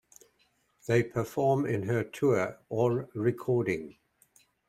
They perform in her tour or recording.